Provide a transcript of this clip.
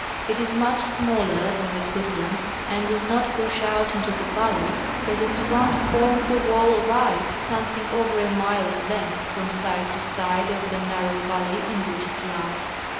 It is much smaller than the Klutlan and does not push'out into the valley, but its front forms a wall of ice something over a mile in length from side to side of the narrow valley in which it lies.